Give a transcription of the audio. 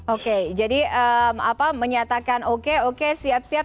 oke jadi menyatakan oke oke siap siap